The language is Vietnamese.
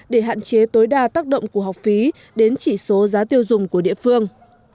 để hạn chế tối đa tác động của học phí đến chỉ số giá tiêu dùng của địa phương